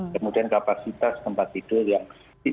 kemudian kapasitas tempat tidur yang